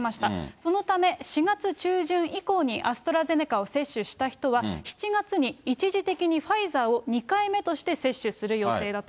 そのため、４月中旬以降にアストラゼネカを接種した人は、７月に一時的にファイザーを２回目として接種する予定だと。